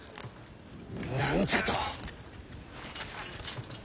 何じゃと。